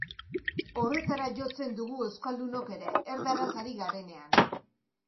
Horretara jotzen dugu euskaldunok ere, erdaraz ari garenean.